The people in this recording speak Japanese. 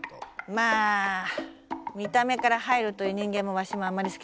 まあ見た目から入るという人間もわしもあんまり好きじゃないな。